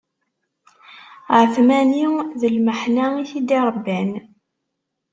Ԑetmani d lmeḥna i t-id-iṛebban.